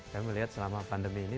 kami melihat selama pandemi ini